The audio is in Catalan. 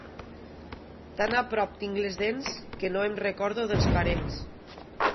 Tan a prop tinc les dents, que no em recordo dels parents.